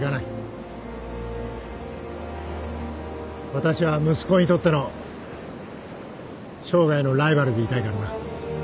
私は息子にとっての生涯のライバルでいたいからな。